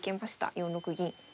４六銀。